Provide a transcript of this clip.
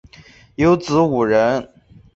有子五人